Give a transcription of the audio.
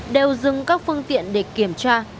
đều dừng các phương tiện để kiểm tra